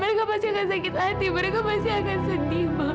mereka pasti akan sakit hati mereka pasti akan sedih banget